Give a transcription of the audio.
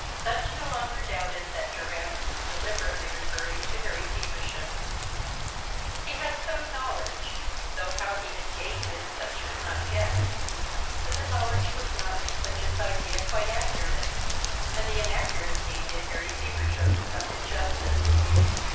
Sutch no longer doubted that Durrance was deliberately referring to Harry Feversham. He had some knowledge, though how he had gained it Sutch could not guess. But the knowledge was not to Sutch's idea quite accurate, and the inaccuracy did Harry Feversham some injustice.